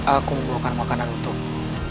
aku membutuhkan makanan untukmu